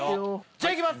じゃいきます